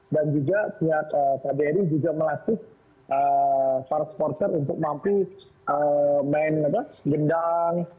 dan juga pihak kbri juga melatih para sporser untuk mampu main gendang